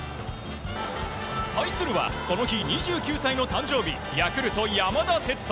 対するはこの日２９歳の誕生日ヤクルト、山田哲人。